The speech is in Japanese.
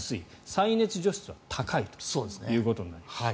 再熱除湿は高いということになります。